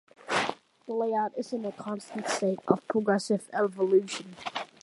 The layout is in a constant state of progressive evolution.